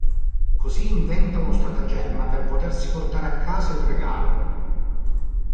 Così inventa uno stratagemma per potersi portare a casa il regalo.